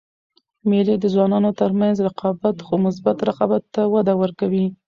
مېلې د ځوانانو تر منځ رقابت؛ خو مثبت رقابت ته وده ورکوي.